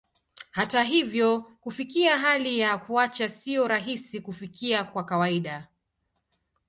Hata hivyo, kufikia hali ya kuacha sio rahisi kufikia kwa kawaida.